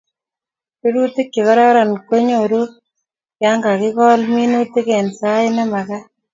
rurutik chekororon kenyoruu yakakikol minutik en sait nemakat